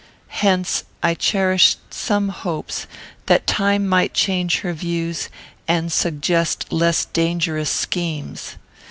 Hence, I cherished some hopes that time might change her views, and suggest less dangerous schemes.